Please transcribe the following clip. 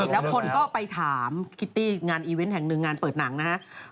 แล้วคนก็ไปถามคิตตี้งานอีเวนต์แห่งหนึ่งงานเปิดหนังนะครับ